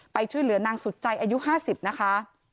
ไปช่วยเหลือนางสุดใจอายุ๕๐นะคะ